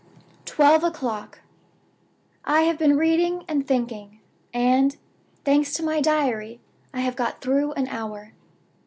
"Twelve o'clock. I have been reading and thinking; and, thanks to my Diary, I have got through an hour.